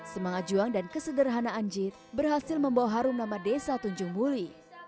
semangat juang dan kesederhanaan jit berhasil membawa harum nama desa tunjung muli